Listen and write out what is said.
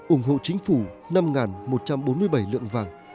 ủng hộ chính phủ năm một trăm bốn mươi bảy lượng vàng